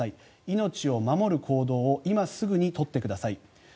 命を守る行動を今すぐに取ってください。